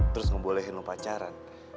terus ngebolehin lo pacaran